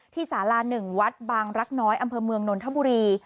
ที่สาลาน๑วัดบางรักน้อยอเมืองนนทบุรี